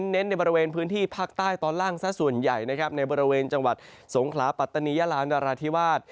เน้นในบริเวณพื้นที่ภาคใต้ตอนล่างซะส่วนใหญ่นะครับในบริเวณจังหวัดสงขลาปัตตานียาลานนราธิวาส